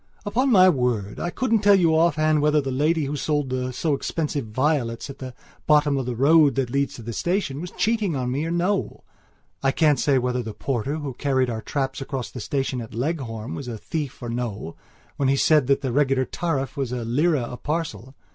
Upon my word, I couldn't tell you offhand whether the lady who sold the so expensive violets at the bottom of the road that leads to the station, was cheating me or no; I can't say whether the porter who carried our traps across the station at Leghorn was a thief or no when he said that the regular tariff was a lira a parcel.